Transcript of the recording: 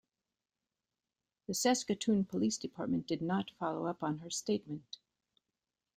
The Saskatoon police department did not follow up on her statement.